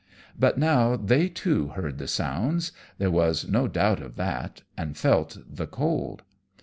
But now they, too, heard the sounds there was no doubt of that and felt the cold.